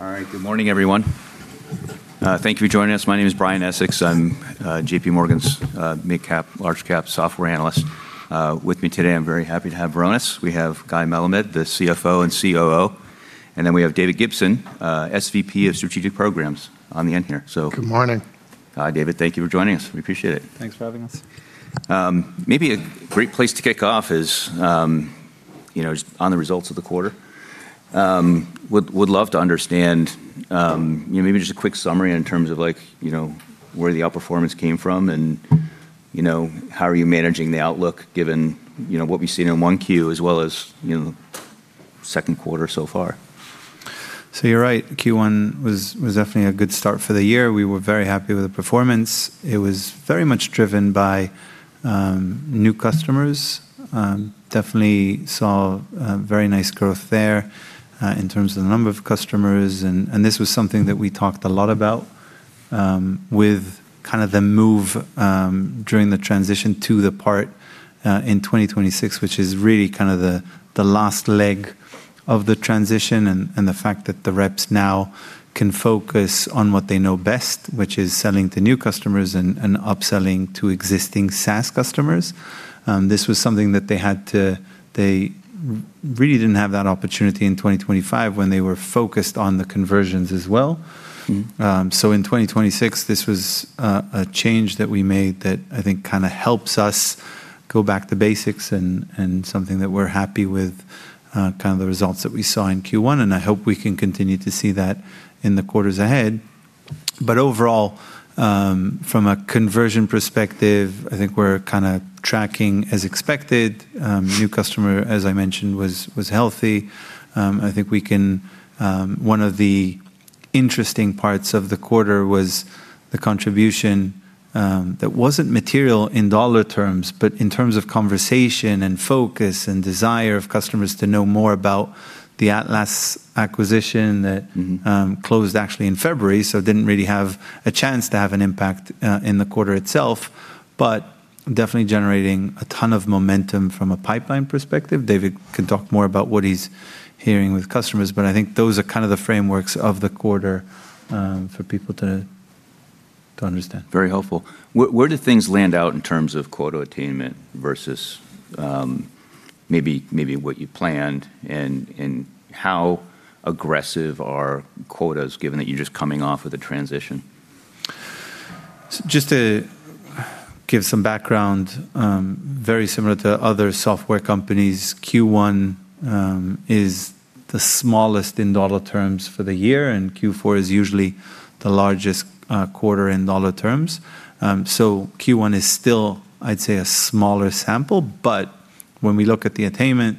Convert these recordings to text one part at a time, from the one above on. All right. Good morning, everyone. Thank you for joining us. My name is Brian Essex. I'm JPMorgan's mid-cap, large-cap software analyst. With me today, I'm very happy to have Varonis. We have Guy Melamed, the CFO and COO, and then we have David Gibson, SVP of Strategic Programs on the end here. Good morning. Hi, David. Thank you for joining us. We appreciate it. Thanks for having us. Maybe a great place to kick off is, you know, just on the results of the quarter. Would love to understand, you know, maybe just a quick summary in terms of like, you know, where the outperformance came from and, you know, how are you managing the outlook given, you know, what we've seen in 1Q, as well as, you know, second quarter so far. You're right, Q1 was definitely a good start for the year. We were very happy with the performance. It was very much driven by new customers. Definitely saw very nice growth there in terms of the number of customers and this was something that we talked a lot about with kinda the move during the transition to the path in 2026, which is really kinda the last leg of the transition and the fact that the reps now can focus on what they know best, which is selling to new customers and upselling to existing SaaS customers. This was something that they really didn't have that opportunity in 2025 when they were focused on the conversions as well. In 2026, this was a change that we made that I think kinda helps us go back to basics and something that we're happy with, kinda the results that we saw in Q1, and I hope we can continue to see that in the quarters ahead. Overall, from a conversion perspective, I think we're kinda tracking as expected. New customer, as I mentioned, was healthy. I think we can. One of the interesting parts of the quarter was the contribution, that wasn't material in dollar terms, but in terms of conversation and focus and desire of customers to know more about the AllTrue.ai acquisition closed actually in February, so didn't really have a chance to have an impact in the quarter itself, but definitely generating a ton of momentum from a pipeline perspective. David can talk more about what he's hearing with customers, but I think those are kind of the frameworks of the quarter for people to understand. Very helpful. Where do things land out in terms of quota attainment versus maybe what you planned, and how aggressive are quotas given that you're just coming off of the transition? Just to give some background, very similar to other software companies, Q1 is the smallest in dollar terms for the year, and Q4 is usually the largest quarter in dollar terms. Q1 is still, I'd say, a smaller sample, but when we look at the attainment,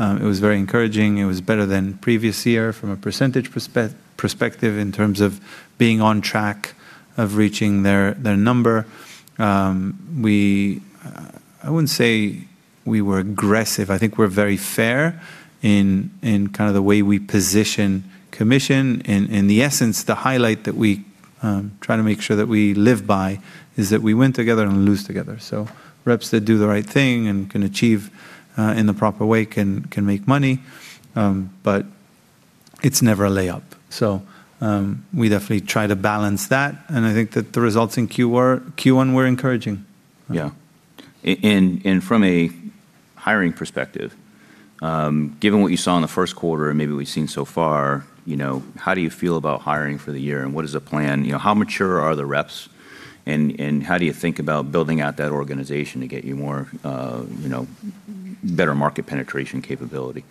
it was very encouraging. It was better than previous year from a percentage perspective in terms of being on track of reaching their number. We, I wouldn't say we were aggressive. I think we're very fair in kinda the way we position commission. In the essence, the highlight that we try to make sure that we live by is that we win together and we lose together. Reps that do the right thing and can achieve in the proper way can make money, but it's never a layup. We definitely try to balance that, and I think that the results in Q1 were encouraging. Yeah. From a hiring perspective, given what you saw in the first quarter and maybe we've seen so far, you know, how do you feel about hiring for the year, and what is the plan? You know, how mature are the reps, and how do you think about building out that organization to get you more, you know, better market penetration capability?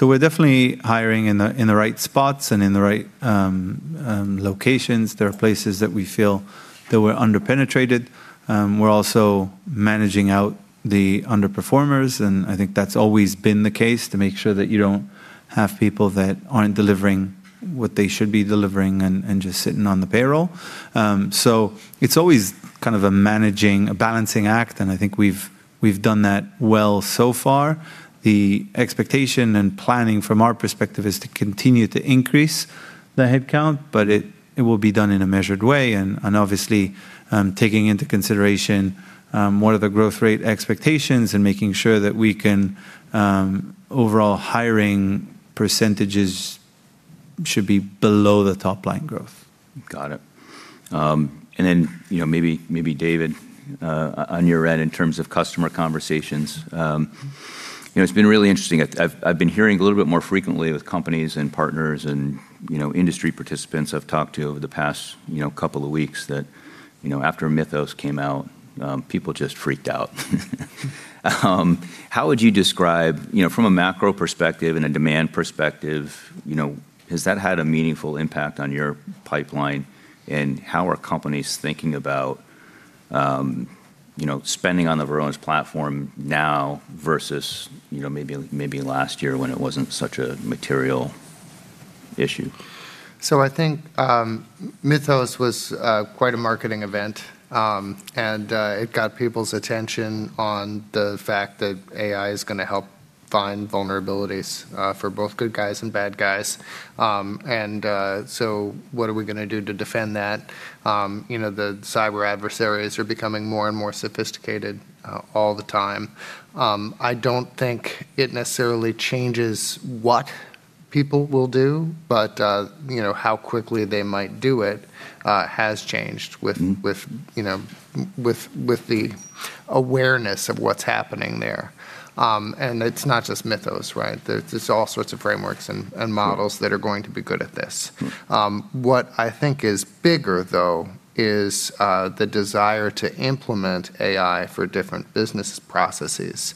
We're definitely hiring in the, in the right spots and in the right locations. There are places that we feel that we're under-penetrated. We're also managing out the underperformers, and I think that's always been the case to make sure that you don't have people that aren't delivering what they should be delivering and just sitting on the payroll. It's always kind of a managing, a balancing act, and I think we've done that well so far. The expectation and planning from our perspective is to continue to increase the headcount, but it will be done in a measured way and obviously, taking into consideration, what are the growth rate expectations and making sure that we can, overall hiring percentages should be below the top-line growth. Got it. You know, maybe David, on your end in terms of customer conversations, you know, it's been really interesting. I've been hearing a little bit more frequently with companies and partners and, you know, industry participants I've talked to over the past, you know, couple of weeks that, you know, after Mythos came out, people just freaked out. How would you describe, you know, from a macro perspective and a demand perspective, you know, has that had a meaningful impact on your pipeline? How are companies thinking about, you know, spending on the Varonis platform now versus, you know, maybe last year when it wasn't such a material issue? I think Mythos was quite a marketing event. It got people's attention on the fact that AI is gonna help find vulnerabilities for both good guys and bad guys. What are we gonna do to defend that? You know, the cyber adversaries are becoming more and more sophisticated all the time. I don't think it necessarily changes what people will do, but, you know, how quickly they might do it has changed with, you know, with the awareness of what's happening there. It's not just Mythos, right? There's all sorts of frameworks and models that are going to be good at this. What I think is bigger though is the desire to implement AI for different business processes.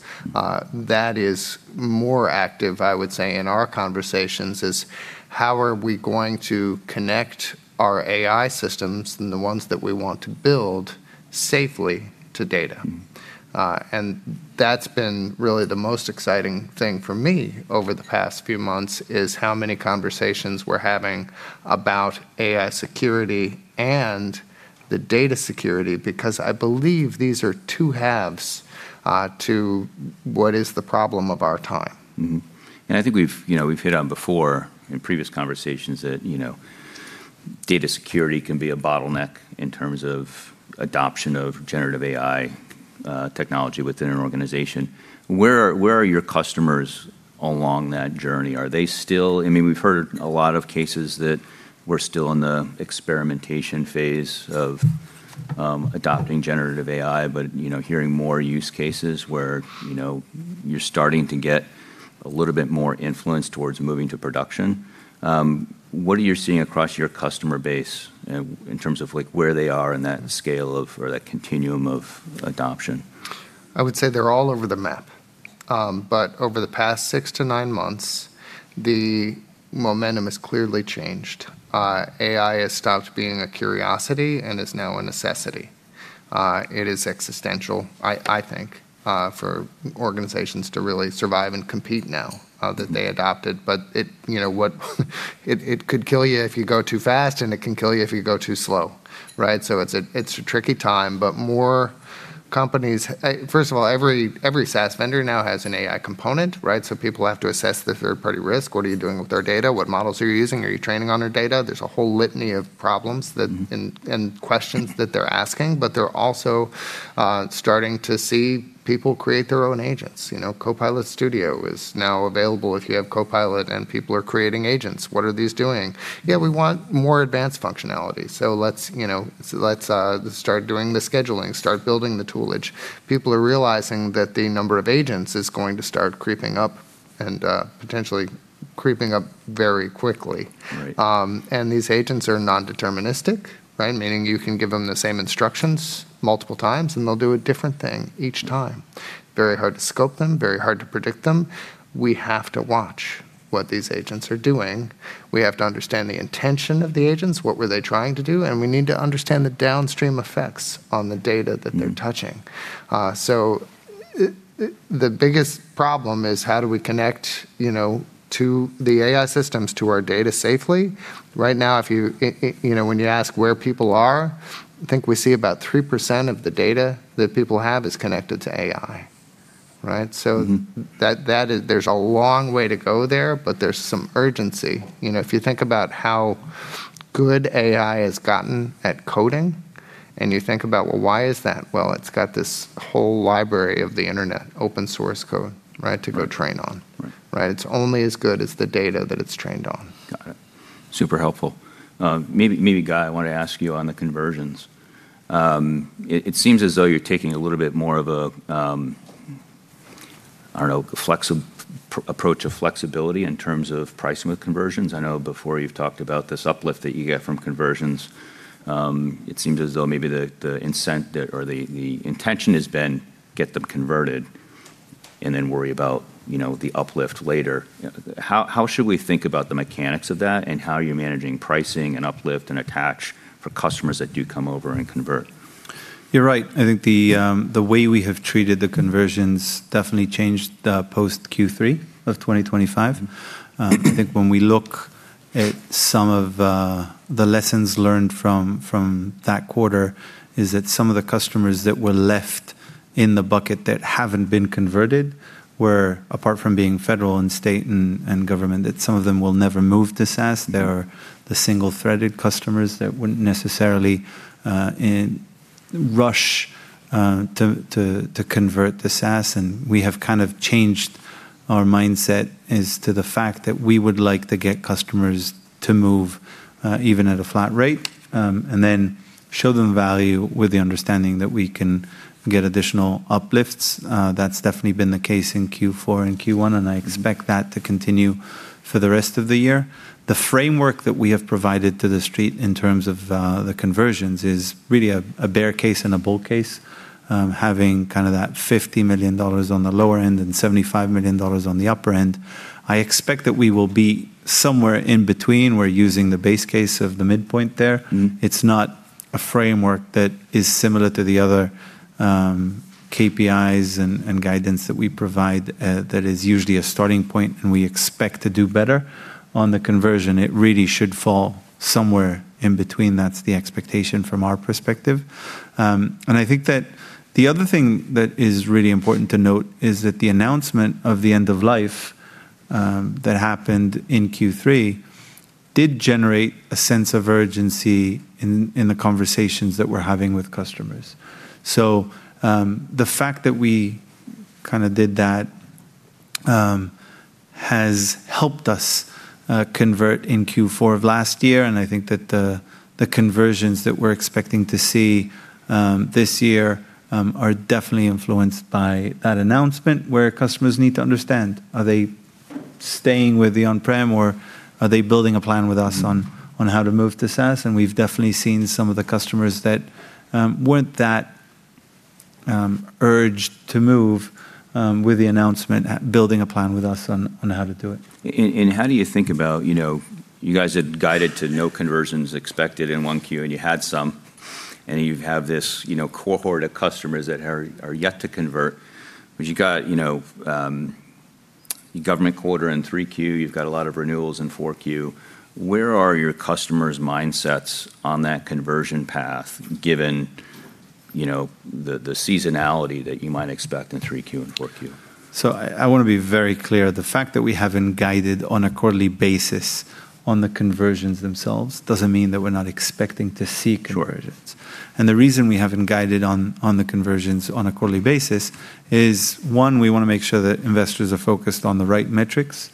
That is more active, I would say, in our conversations, is how are we going to connect our AI systems and the ones that we want to build safely to data. That's been really the most exciting thing for me over the past few months, is how many conversations we're having about AI security and the data security, because I believe these are two halves to what is the problem of our time. I think we've, you know, we've hit on before in previous conversations that, you know, data security can be a bottleneck in terms of adoption of generative AI technology within an organization. Where are your customers along that journey? I mean, we've heard a lot of cases that we're still in the experimentation phase of adopting generative AI, you know, hearing more use cases where, you know, you're starting to get a little bit more influence towards moving to production. What are you seeing across your customer base in terms of like where they are in that scale of or that continuum of adoption? I would say they're all over the map. Over the past six to nine months, the momentum has clearly changed. AI has stopped being a curiosity and is now a necessity. It is existential, I think, for organizations to really survive and compete now that they adopt it. It, you know, it could kill you if you go too fast, and it can kill you if you go too slow, right? It's a tricky time, but more companies, first of all, every SaaS vendor now has an AI component, right? People have to assess the third-party risk. What are you doing with their data? What models are you using? Are you training on their data? There's a whole litany of problems that, and questions that they're asking, but they're also starting to see people create their own agents. You know, Copilot Studio is now available if you have Copilot, people are creating agents. What are these doing? Yeah, we want more advanced functionality, so let's, you know, let's start doing the scheduling, start building the toolage. People are realizing that the number of agents is going to start creeping up and potentially creeping up very quickly. Right. These agents are non-deterministic, right? Meaning you can give them the same instructions multiple times, and they'll do a different thing each time. Very hard to scope them, very hard to predict them. We have to watch what these agents are doing. We have to understand the intention of the agents, what were they trying to do, and we need to understand the downstream effects on the data that they're touching. The biggest problem is how do we connect, you know, to the AI systems to our data safely? Right now, if you know, when you ask where people are, I think we see about 3% of the data that people have is connected to AI, right? That is. There's a long way to go there, but there's some urgency. You know, if you think about how good AI has gotten at coding, and you think about, well, why is that? Well, it's got this whole library of the internet, open-source code, right, to go train on. Right. Right? It's only as good as the data that it's trained on. Got it. Super helpful. maybe, Guy, I wanted to ask you on the conversions. It seems as though you're taking a little bit more of a, I don't know, flexibility in terms of price with conversions. I know before you've talked about this uplift that you get from conversions. It seems as though maybe the incent or the intention has been get them converted and then worry about, you know, the uplift later. How, how should we think about the mechanics of that, and how are you managing pricing and uplift and attach for customers that do come over and convert? You're right. I think the way we have treated the conversions definitely changed post Q3 of 2025. I think when we look at some of the lessons learned from that quarter is that some of the customers that were left in the bucket that haven't been converted were, apart from being federal and state and government, that some of them will never move to SaaS. There are the single-threaded customers that wouldn't necessarily rush to convert to SaaS. We have kind of changed our mindset as to the fact that we would like to get customers to move even at a flat rate and then show them value with the understanding that we can get additional uplifts. That's definitely been the case in Q4 and Q1, and I expect that to continue for the rest of the year. The framework that we have provided to the street in terms of the conversions is really a bear case and a bull case, having kinda that $50 million on the lower end and $75 million on the upper end. I expect that we will be somewhere in between. We're using the base case of the midpoint there. It's not a framework that is similar to the other KPIs and guidance that we provide, that is usually a starting point, and we expect to do better on the conversion. It really should fall somewhere in between. That's the expectation from our perspective. I think that the other thing that is really important to note is that the announcement of the end of life that happened in Q3 did generate a sense of urgency in the conversations that we're having with customers. The fact that we kinda did that, has helped us convert in Q4 of last year, and I think that the conversions that we're expecting to see this year, are definitely influenced by that announcement, where customers need to understand, are they staying with the on-prem or are they building a plan with us on how to move to SaaS. We've definitely seen some of the customers that weren't that urged to move with the announcement at building a plan with us on how to do it. How do you think about, you know, you guys had guided to no conversions expected in 1Q, and you had some, and you have this, you know, cohort of customers that are yet to convert. You got, you know, government quarter in 3Q, you've got a lot of renewals in 4Q. Where are your customers' mindsets on that conversion path given, you know, the seasonality that you might expect in 3Q and 4Q? I wanna be very clear. The fact that we haven't guided on a quarterly basis on the conversions themselves doesn't mean that we're not expecting to see conversions. Sure. The reason we haven't guided on the conversions on a quarterly basis is, one, we wanna make sure that investors are focused on the right metrics,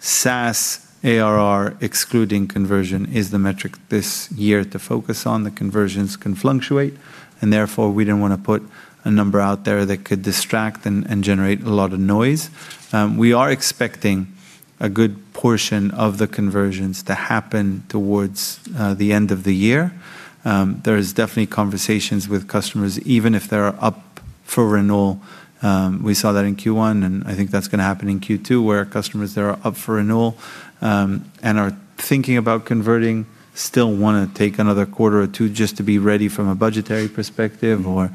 SaaS ARR excluding conversion is the metric this year to focus on. The conversions can fluctuate, therefore, we didn't wanna put a number out there that could distract and generate a lot of noise. We are expecting a good portion of the conversions to happen towards the end of the year. There is definitely conversations with customers, even if they're up for renewal. We saw that in Q1, and I think that's gonna happen in Q2, where customers that are up for renewal, and are thinking about converting still wanna take another quarter or two just to be ready from a budgetary perspective or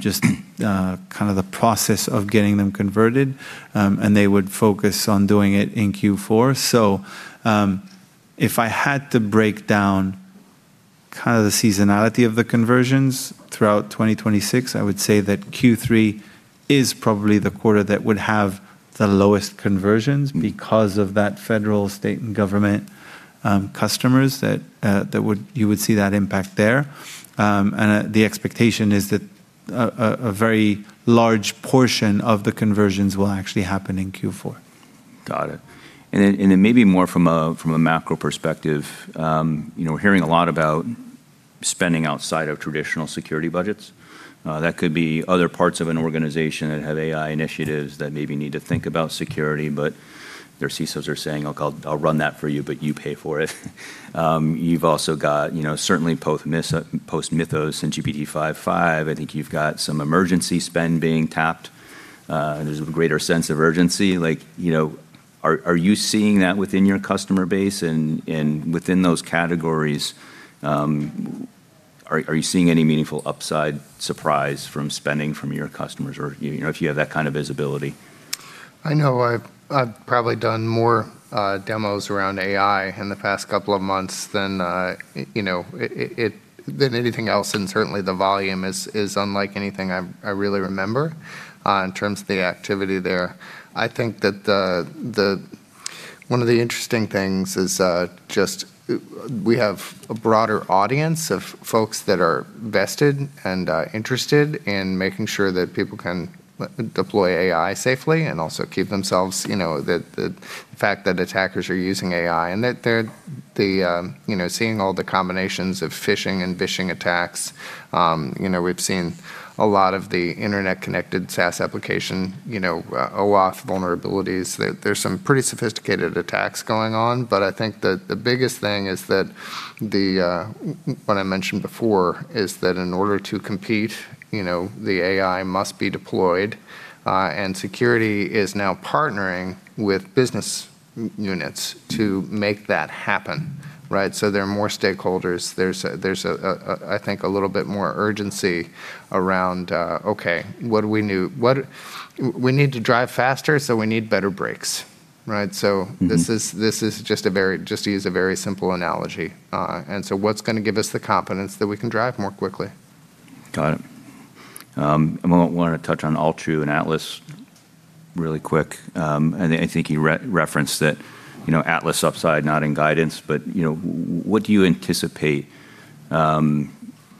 just kind of the process of getting them converted, and they would focus on doing it in Q4. If I had to break down kind of the seasonality of the conversions throughout 2026, I would say that Q3 is probably the quarter that would have the lowest conversions because of that federal, state, and government, customers that would you would see that impact there. The expectation is that a very large portion of the conversions will actually happen in Q4. Got it. Maybe more from a macro perspective, you know, we're hearing a lot about spending outside of traditional security budgets. That could be other parts of an organization that have AI initiatives that maybe need to think about security, but their CISOs are saying, "Okay, I'll run that for you, but you pay for it." You've also got, you know, certainly post-Mythos and GPT-5.5, I think you've got some emergency spend being tapped. There's a greater sense of urgency. You know, are you seeing that within your customer base? Within those categories, are you seeing any meaningful upside surprise from spending from your customers or, you know, if you have that kind of visibility? I know I've probably done more demos around AI in the past couple of months than, you know, anything else, and certainly, the volume is unlike anything I really remember in terms of the activity there. I think that one of the interesting things is, we have a broader audience of folks that are vested and interested in making sure that people can deploy AI safely and also keep themselves, you know, the fact that attackers are using AI, and that they're, you know, seeing all the combinations of phishing and vishing attacks. You know, we've seen a lot of the internet-connected SaaS application, you know, OAuth vulnerabilities. There's some pretty sophisticated attacks going on. I think that the biggest thing is that what I mentioned before, is that in order to compete, you know, the AI must be deployed, and security is now partnering with business units to make that happen, right? There are more stakeholders. There's a, I think a little bit more urgency around, okay, what we need to drive faster, so we need better brakes, right? This is just a very, just to use a very simple analogy. What's gonna give us the confidence that we can drive more quickly? Got it. I wanna touch on AllTrue and Atlas really quick. And I think you referenced it, you know, Atlas upside not in guidance, but, you know, what do you anticipate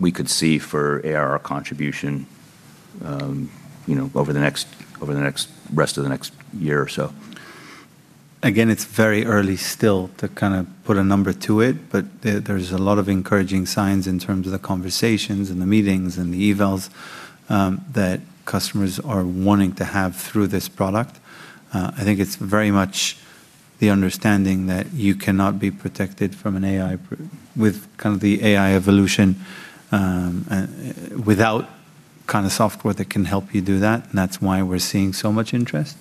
we could see for ARR contribution, you know, over the next rest of the next year or so? Again, it's very early still to kind of put a number to it, but there's a lot of encouraging signs in terms of the conversations and the meetings and the evals that customers are wanting to have through this product. I think it's very much the understanding that you cannot be protected from an AI with kind of the AI evolution without kind of software that can help you do that, and that's why we're seeing so much interest.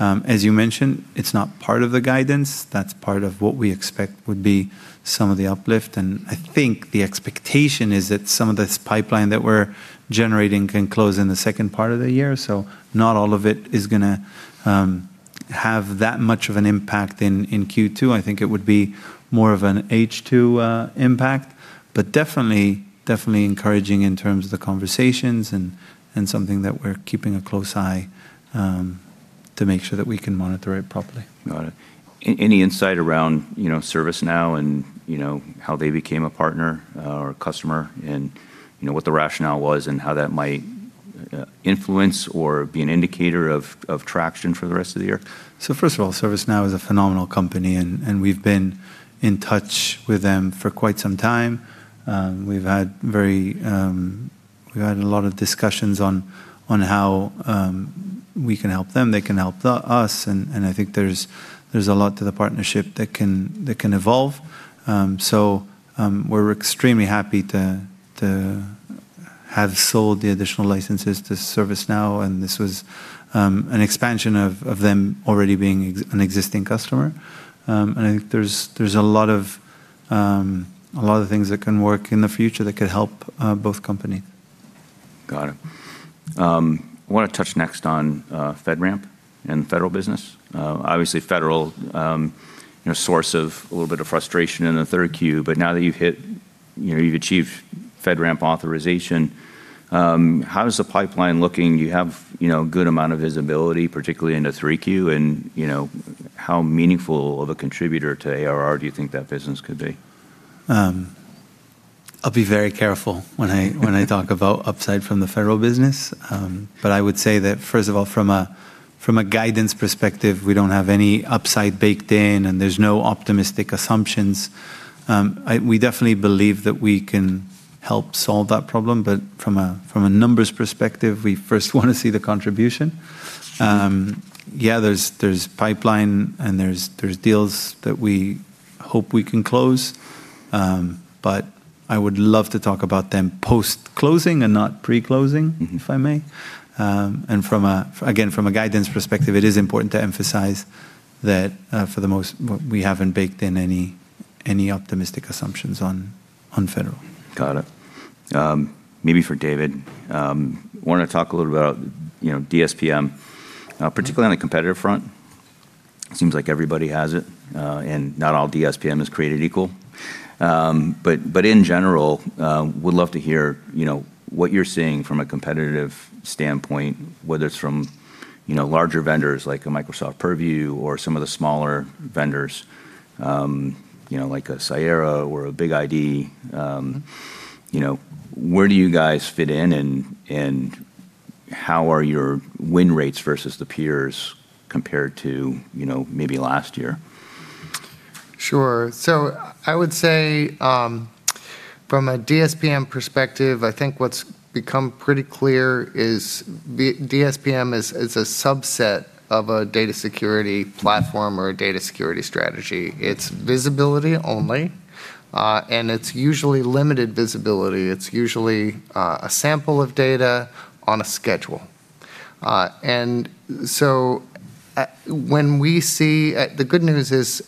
As you mentioned, it's not part of the guidance. That's part of what we expect would be some of the uplift, and I think the expectation is that some of this pipeline that we're generating can close in the second part of the year. Not all of it is gonna have that much of an impact in Q2. I think it would be more of an H2 impact. Definitely encouraging in terms of the conversations and something that we're keeping a close eye to make sure that we can monitor it properly. Got it. Any insight around, you know, ServiceNow and, you know, how they became a partner, or a customer and, you know, what the rationale was and how that might influence or be an indicator of traction for the rest of the year? First of all, ServiceNow is a phenomenal company and we've been in touch with them for quite some time. We've had a lot of discussions on how we can help them, they can help us and I think there's a lot to the partnership that can evolve. We're extremely happy to have sold the additional licenses to ServiceNow, and this was an expansion of them already being an existing customer. I think there's a lot of things that can work in the future that could help both company. Got it. I wanna touch next on FedRAMP and federal business. Obviously federal, you know, source of a little bit of frustration in the 3Q, but now that you've hit, you know, you've achieved FedRAMP authorization, how is the pipeline looking? Do you have, you know, a good amount of visibility, particularly in the 3Q? You know, how meaningful of a contributor to ARR do you think that business could be? I'll be very careful when I, when I talk about upside from the federal business. I would say that first of all, from a guidance perspective, we don't have any upside baked in, and there's no optimistic assumptions. We definitely believe that we can help solve that problem, but from a numbers perspective, we first wanna see the contribution. Yeah, there's pipeline and there's deals that we hope we can close. I would love to talk about them post-closing and not pre-closing if I may. From a, again, from a guidance perspective, it is important to emphasize that, for the most we haven't baked in any optimistic assumptions on federal. Got it. Maybe for David. Wanted to talk a little about, you know, DSPM, particularly on the competitive front. It seems like everybody has it, not all DSPM is created equal. In general, would love to hear, you know, what you're seeing from a competitive standpoint, whether it's from, you know, larger vendors like a Microsoft Purview or some of the smaller vendors, you know, like a Cyera or a BigID. You know, where do you guys fit in and how are your win rates versus the peers compared to, you know, maybe last year? Sure. I would say, from a DSPM perspective, I think what's become pretty clear is DSPM is a subset of a data security platform or a data security strategy. It's visibility only, and it's usually limited visibility. It's usually a sample of data on a schedule. When we see, the good news is,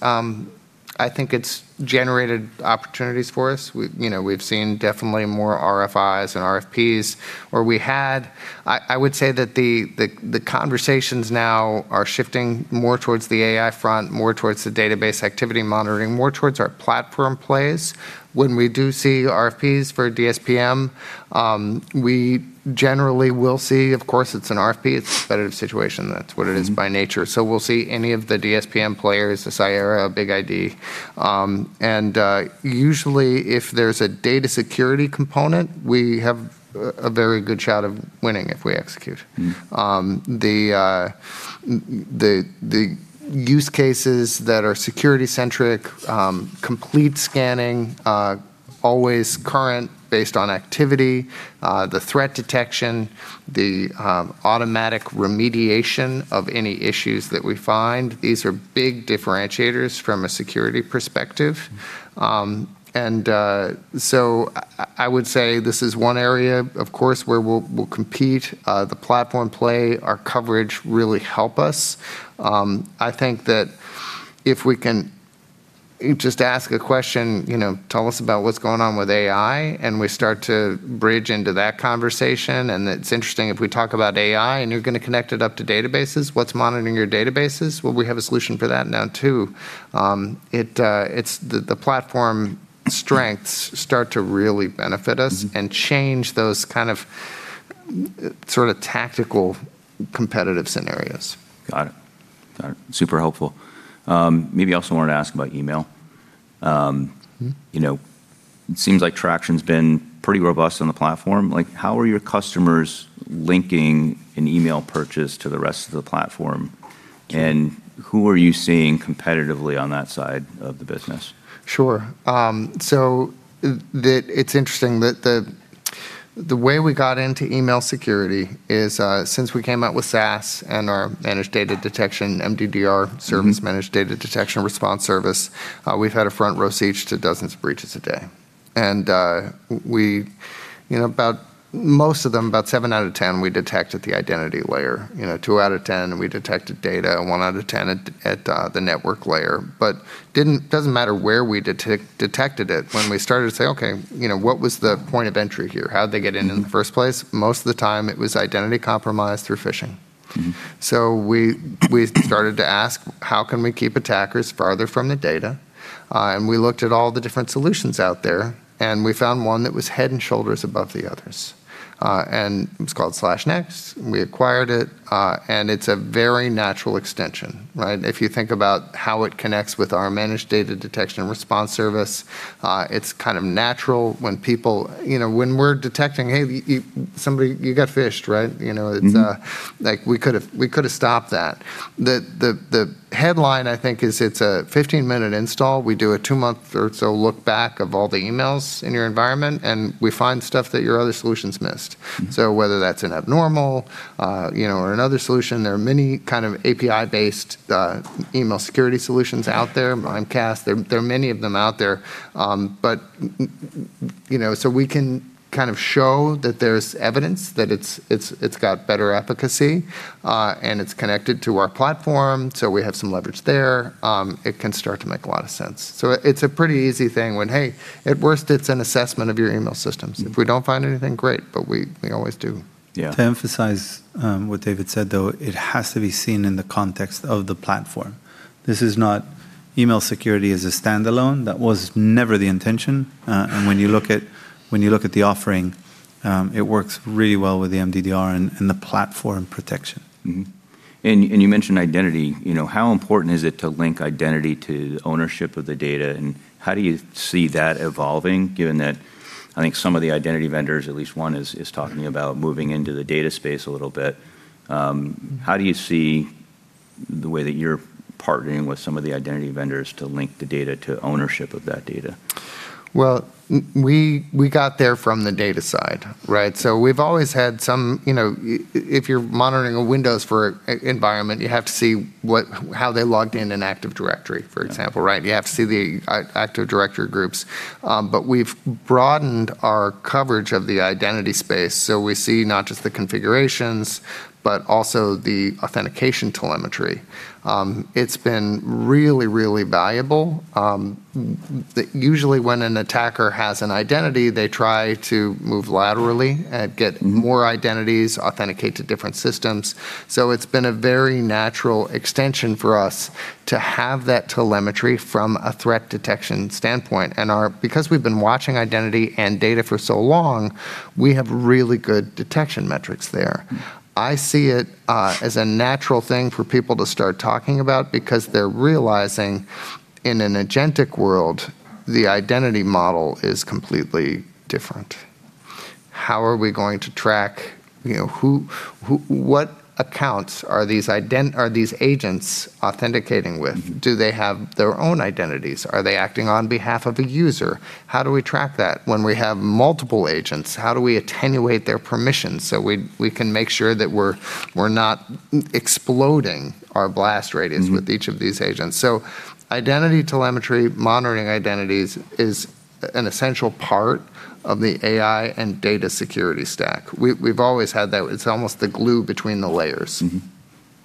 I think it's generated opportunities for us. We, you know, we've seen definitely more RFIs and RFPs, or we had I would say that the conversations now are shifting more towards the AI front, more towards the database activity monitoring, more towards our platform plays. When we do see RFPs for DSPM, we generally will see, of course, it's an RFP, it's a competitive situation, that's what it is by nature. We'll see any of the DSPM players, Cyera, BigID. Usually if there's a data security component, we have a very good shot of winning if we execute. The use cases that are security-centric, complete scanning, always current based on activity, the threat detection, the automatic remediation of any issues that we find, these are big differentiators from a security perspective. I would say this is one area, of course, where we'll compete. The platform play, our coverage really help us. I think that if we can just ask a question, you know, "Tell us about what's going on with AI," we start to bridge into that conversation, it's interesting if we talk about AI and you're gonna connect it up to databases, what's monitoring your databases? Well, we have a solution for that now too. It's the platform strengths start to really benefit us. Change those kind of sort of tactical competitive scenarios. Got it. Got it. Super helpful. Maybe also wanted to ask about email, you know, it seems like traction's been pretty robust on the platform. Like, how are your customers linking an email purchase to the rest of the platform? Who are you seeing competitively on that side of the business? Sure. It's interesting that the way we got into email security is since we came out with SaaS and our Managed Data Detection, MDDR service, Managed Data Detection and Response service, we've had a front row seat to dozens of breaches a day. We, you know, about most of them, about seven out of 10, we detect at the identity layer. You know, two out of 10 we detect at data, and one out of 10 at the network layer. Doesn't matter where we detected it, when we started to say, "Okay, you know, what was the point of entry here? How'd they get in in the first place?" Most of the time it was identity compromise through phishing. We started to ask, how can we keep attackers farther from the data? We looked at all the different solutions out there, and we found one that was head and shoulders above the others. It was called SlashNext. We acquired it. It's a very natural extension. If you think about how it connects with our Managed Data Detection and Response service, it's kind of natural when people, you know, when we're detecting, "Hey, somebody, you got phished. It's, like, we could have stopped that. The headline I think is it's a 15-minute install. We do a two-month or so look back of all the emails in your environment, and we find stuff that your other solutions missed. Whether that's an Abnormal, you know, or another solution, there are many kind of API-based email security solutions out there. Mimecast. There are many of them out there. You know, so we can kind of show that there's evidence, that it's got better efficacy, and it's connected to our platform, so we have some leverage there. It can start to make a lot of sense. It's a pretty easy thing when, hey, at worst it's an assessment of your email systems. If we don't find anything, great, but we always do. Yeah. To emphasize what David said though, it has to be seen in the context of the platform. This is not email security as a standalone. That was never the intention. When you look at the offering, it works really well with the MDDR and the platform protection. You mentioned identity. You know, how important is it to link identity to ownership of the data, and how do you see that evolving given that I think some of the identity vendors, at least one, is talking about moving into the data space a little bit? How do you see the way that you're partnering with some of the identity vendors to link the data to ownership of that data? We got there from the data side, right? We've always had some, you know, if you're monitoring a Windows environment, you have to see what, how they logged in in Active Directory, for example, right? You have to see the Active Directory groups. We've broadened our coverage of the identity space, so we see not just the configurations, but also the authentication telemetry. It's been really valuable. Usually when an attacker has an identity, they try to move laterally, get more identities, authenticate to different systems. It's been a very natural extension for us to have that telemetry from a threat detection standpoint. Our, because we've been watching identity and data for so long, we have really good detection metrics there. I see it as a natural thing for people to start talking about because they're realizing in an agentic world, the identity model is completely different. How are we going to track, you know, who, what accounts are these agents authenticating with? Do they have their own identities? Are they acting on behalf of a user? How do we track that? We have multiple agents, how do we attenuate their permissions so we can make sure that we're not exploding our blast radius with each of these agents? Identity telemetry, monitoring identities is an essential part of the AI and data security stack. We've always had that. It's almost the glue between the layers.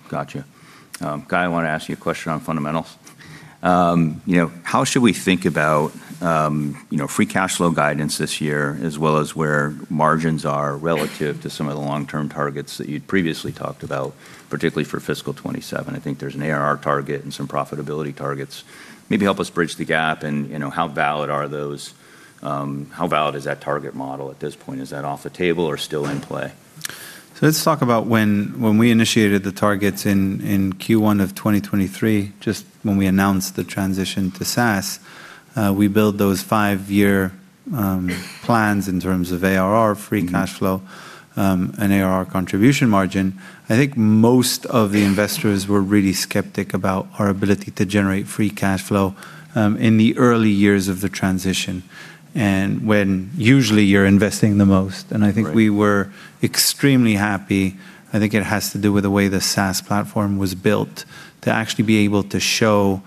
Gotcha. Guy, I wanna ask you a question on fundamentals. You know, how should we think about, you know, free cash flow guidance this year, as well as where margins are relative to some of the long-term targets that you'd previously talked about, particularly for fiscal 2027? I think there's an ARR target and some profitability targets. Maybe help us bridge the gap and, you know, how valid are those, how valid is that target model at this point? Is that off the table or still in play? Let's talk about when we initiated the targets in Q1 of 2023, just when we announced the transition to SaaS, we build those five-year plans in terms of ARR, free cash flow and ARR contribution margin. I think most of the investors were really skeptic about our ability to generate free cash flow, in the early years of the transition, and when usually you're investing the most. Right. I think we were extremely happy. I think it has to do with the way the SaaS platform was built to actually be able to show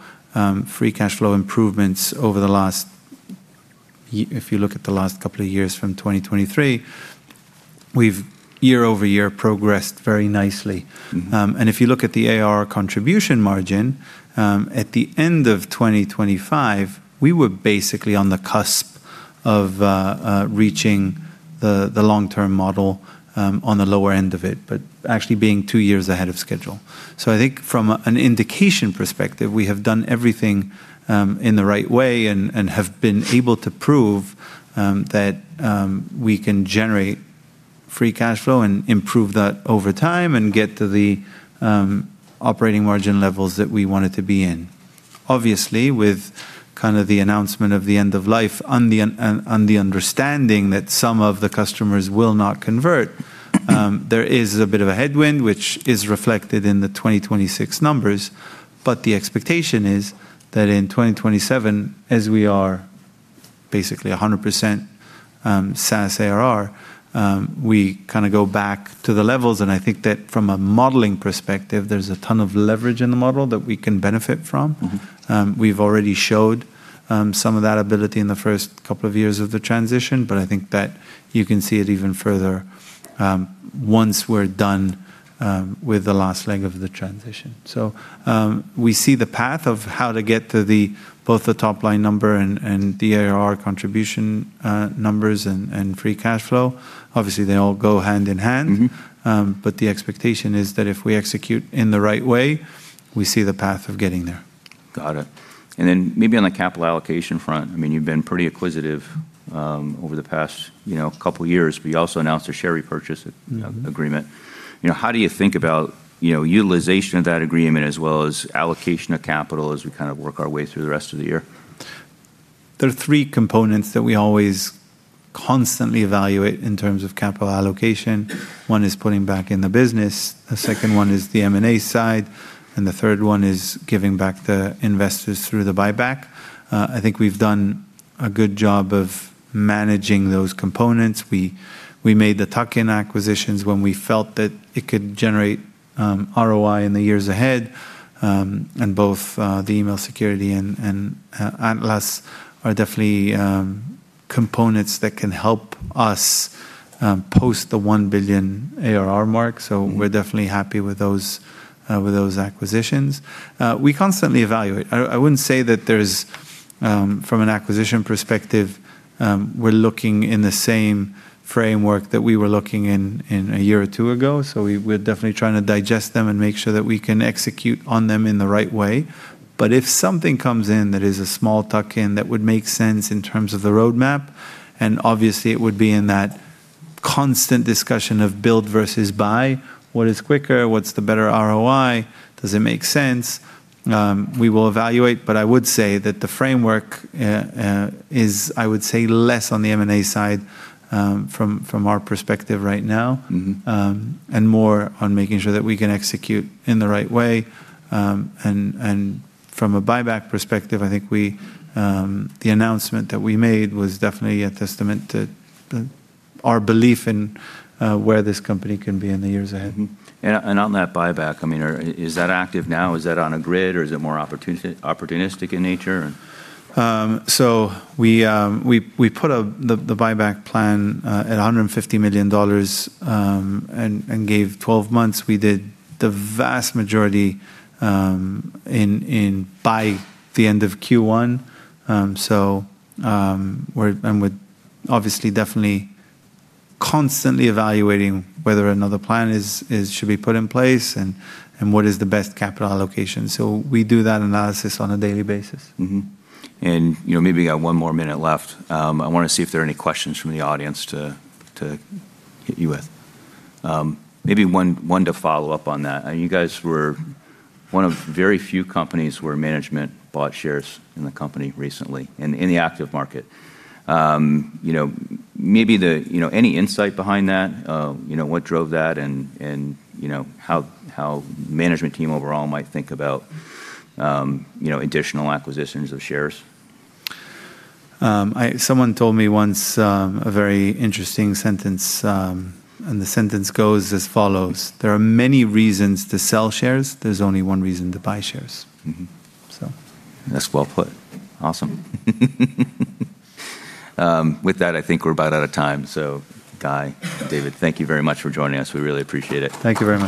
free cash flow improvements over the last if you look at the last couple of years from 2023, we've year-over-year progressed very nicely. If you look at the ARR contribution margin, at the end of 2025, we were basically on the cusp of reaching the long-term model, on the lower end of it, but actually being two years ahead of schedule. I think from an indication perspective, we have done everything in the right way and have been able to prove that we can generate free cash flow and improve that over time and get to the operating margin levels that we wanted to be in. Obviously, with kind of the announcement of the end of life on the understanding that some of the customers will not convert, there is a bit of a headwind which is reflected in the 2026 numbers. The expectation is that in 2027, as we are basically 100%, SaaS ARR, we kind of go back to the levels. I think that from a modeling perspective, there's a ton of leverage in the model that we can benefit from. We've already showed some of that ability in the first couple of years of the transition, but I think that you can see it even further once we're done with the last leg of the transition. We see the path of how to get to the both the top line number and the ARR contribution numbers and free cash flow. Obviously, they all go hand in hand. The expectation is that if we execute in the right way, we see the path of getting there. Got it. Maybe on the capital allocation front, I mean, you've been pretty acquisitive, over the past, you know, couple years, but you also announced a share repurchase agreement. You know, how do you think about, you know, utilization of that agreement as well as allocation of capital as we kind of work our way through the rest of the year? There are three components that we always constantly evaluate in terms of capital allocation. One is putting back in the business, the second one is the M&A side, and the third one is giving back the investors through the buyback. I think we've done a good job of managing those components. We made the tuck-in acquisitions when we felt that it could generate ROI in the years ahead. And both the email security and Atlas are definitely components that can help us post the $1 billion ARR mark. We're definitely happy with those, with those acquisitions. We constantly evaluate. I wouldn't say that there's from an acquisition perspective, we're looking in the same framework that we were looking in a year or two ago, we're definitely trying to digest them and make sure that we can execute on them in the right way. If something comes in that is a small tuck-in that would make sense in terms of the roadmap, obviously it would be in that constant discussion of build versus buy, what is quicker, what's the better ROI, does it make sense, we will evaluate. I would say that the framework is, I would say, less on the M&A side from our perspective right now. More on making sure that we can execute in the right way. From a buyback perspective, I think we, the announcement that we made was definitely a testament to our belief in where this company can be in the years ahead. On that buyback, I mean, is that active now? Is that on a grid, or is it more opportunistic in nature? We put the buyback plan, at $150 million, and gave 12 months. We did the vast majority, in by the end of Q1. We're obviously definitely constantly evaluating whether another plan should be put in place, and what is the best capital allocation. We do that analysis on a daily basis. You know, maybe we got one more minute left. I wanna see if there are any questions from the audience to hit you with. Maybe one to follow up on that. You guys were one of very few companies where management bought shares in the company recently in the active market. You know, maybe any insight behind that, you know, what drove that and, you know, how management team overall might think about, you know, additional acquisitions of shares? Someone told me once, a very interesting sentence, the sentence goes as follows: There are many reasons to sell shares. There's only one reason to buy shares. So. That's well put. Awesome. With that, I think we're about out of time. Guy and David, thank you very much for joining us. We really appreciate it. Thank you very much.